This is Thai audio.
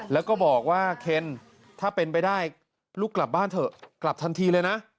แล้วก็บอกว่าเคนถ้าเป็นไปได้ลูกกลับบ้านเถอะกลับทันทีเลยนะ